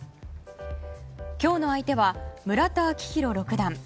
今日の相手は村田顕弘六段。